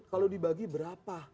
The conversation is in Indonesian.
kalau dibagi berapa